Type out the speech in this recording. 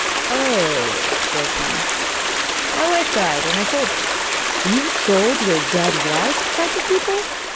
'Oh,' said he, 'my wife died, and I sold her.' 'You sold your dead wife?' cried the people.